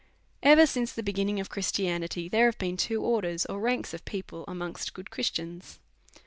Ever since the beginning of Christianity, there\ have been two orders, or ranks of people amongst \ good Christians.